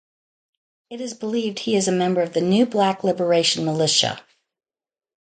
It is believed he is a member of the New Black Liberation Militia.